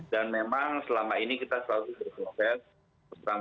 memang selama ini kita selalu berproses